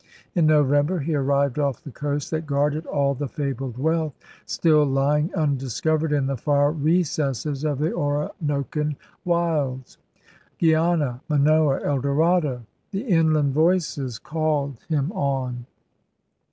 In November he arrived off the coast that guarded all the fabled wealth still lying un discovered in the far recesses of the Orinocan wilds. Guiana, Manoa, El Dorado — the inland voices called him on.